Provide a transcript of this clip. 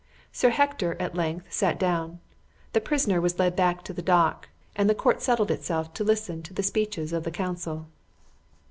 Sir Hector at length sat down; the prisoner was led back to the dock, and the Court settled itself to listen to the speeches of the counsel.